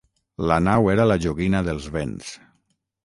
La nau era la joguina dels vents.